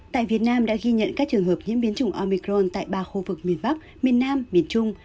tại việt nam đã ghi nhận các trường hợp nhiễm biến chủng omicron tại ba khu vực miền bắc miền nam miền trung